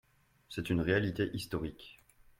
C’est une réalité historique